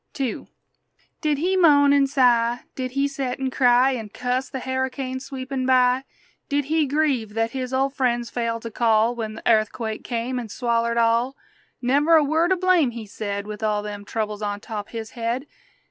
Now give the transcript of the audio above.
II Did he moan an' sigh? Did he set an' cry An' cuss the harricane sweepin' by? Did he grieve that his ol' friends failed to call When the airthquake come an' swallered all? Never a word o' blame he said, With all them troubles on top his head!